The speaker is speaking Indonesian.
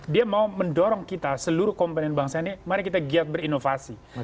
dia mau mendorong kita seluruh komponen bangsa ini mari kita giat berinovasi